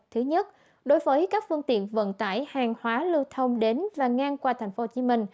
thứ nhất đối với các phương tiện vận tải hàng hóa lưu thông đến và ngang qua tp hcm